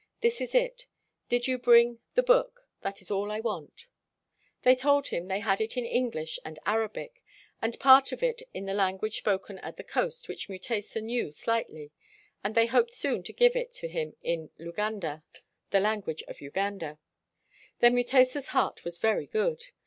This is it, — Did you bring 'The Book'? That is all I want." They told him they had it in English and Arabic, and part of it in the language spoken at the coast which Mutesa knew slightly, and they hoped soon to give it to him in Luganda [the language of Uganda]. Then Mutesa 's heart was very good.